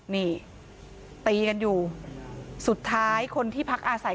นี่ตีกันอยู่สุดท้ายคนที่พักอาศัย